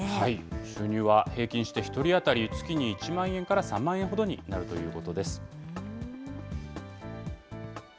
収入は平均して１人当たり月に１万円から３万円ほどになるということです。